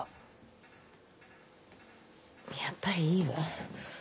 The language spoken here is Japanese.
やっぱりいいわ。